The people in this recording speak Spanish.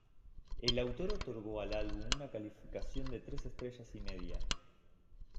El autor otorgó al álbum una calificación de tres estrellas y media.